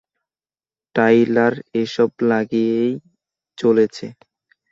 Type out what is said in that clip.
Tyler এসব লাগিয়েই চলেছে।